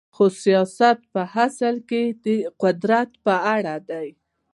خو سیاست په اصل کې د قدرت په اړه دی.